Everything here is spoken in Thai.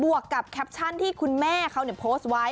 วกกับแคปชั่นที่คุณแม่เขาโพสต์ไว้